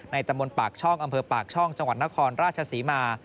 ตำบลปากช่องอำเภอปากช่องจังหวัดนครราชศรีมา